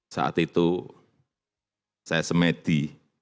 saat itu saya semedi